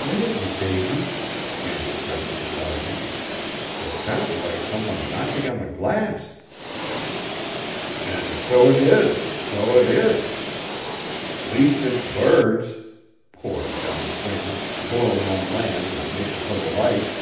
"What is it, Davy?" Janet pressed beside him. "It sounds like some one knocking on the glass." "An' so 't is, so 't is! Least it's birds. Poor, dumb things, blown on land an' makin' fur the Light.